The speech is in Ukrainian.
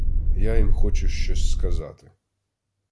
Я їм хочу щось сказати.